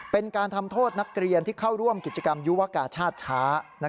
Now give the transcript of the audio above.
เป็นการทำโทษนักเรียนที่เข้าร่วมกิจกรรมยุวกาชาติช้า